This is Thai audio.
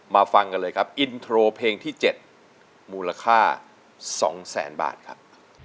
ฟังกันเลยครับอินโทรเพลงที่๗มูลค่า๒แสนบาทครับ